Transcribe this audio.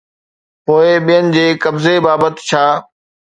پوءِ ٻين جي قبضي بابت ڇا؟